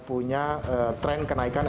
punya tren kenaikan